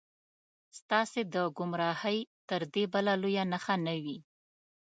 ستاسې د ګمراهۍ تر دې بله لویه نښه نه وي.